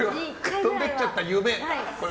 飛んでいっちゃった夢ないな。